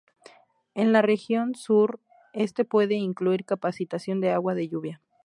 En la región sur este puede incluir captación de agua de lluvia.